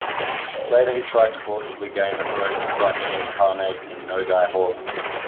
Later he tried to forcibly gain the throne of Crimean Khanate and Nogai Horde.